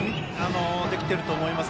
できていると思います。